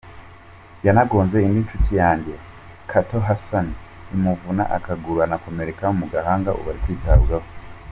Yanagonze indi nshuti yanjye Kato Hassan imuvuna akaguru anakomereka mu gahanga ubu ari kwitabwaho.